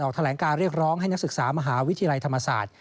แถลงการเรียกร้องให้นักศึกษามหาวิทยาลัยธรรมศาสตร์